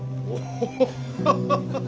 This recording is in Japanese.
ハハハハ！